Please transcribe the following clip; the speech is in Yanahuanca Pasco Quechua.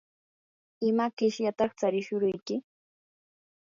¿ima qishyataq charishuruyki?